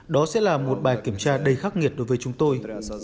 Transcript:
đó sẽ là một bài kiểm tra đầy khắc nghiệt đối với chúng tôi